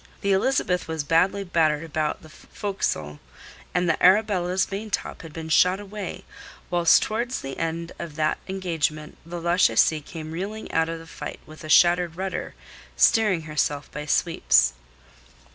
The Elizabeth was badly battered about the forecastle, and the Arabella's maintop had been shot away, whilst' towards the end of that engagement the Lachesis came reeling out of the fight with a shattered rudder, steering herself by sweeps.